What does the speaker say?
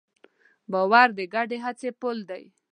باور د ګډې هڅې پُل دی.